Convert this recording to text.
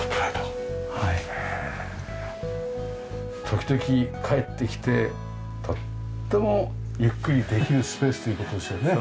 時々帰ってきてとってもゆっくりできるスペースという事ですよね。